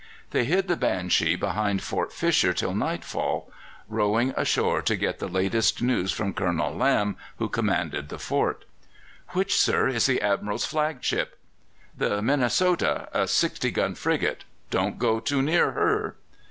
They hid the Banshee behind Fort Fisher till nightfall, rowing ashore to get the latest news from Colonel Lamb, who commanded the fort. "Which, sir, is the Admiral's flag ship?" "The Minnesota, a sixty gun frigate. Don't go too near her."